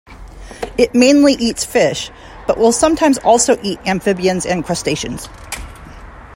It mainly eats fish, but will sometimes also eat amphibians and crustaceans.